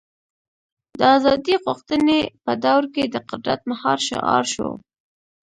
د ازادۍ غوښتنې په دور کې د قدرت مهار شعار شو.